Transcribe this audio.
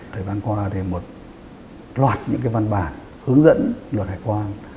thời văn qua thì một loạt những văn bản hướng dẫn luật hải quan